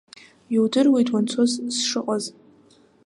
Иудыруеит уанцоз сшыҟаз.